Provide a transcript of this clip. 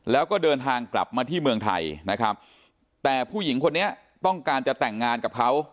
แล้วก็เดินทางกลับมาที่เมืองไทยนะครับแต่ผู้หญิงคนนี้ต้องการจะแต่งงานกับเขา